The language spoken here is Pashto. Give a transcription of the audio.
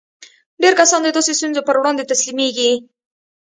ډېر کسان د داسې ستونزو پر وړاندې تسليمېږي.